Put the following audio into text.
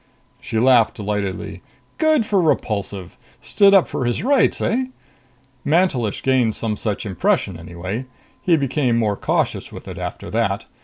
She laughed delightedly. "Good for Repulsive! Stood up for his rights, eh?" "Mantelish gained some such impression anyway. He became more cautious with it after that.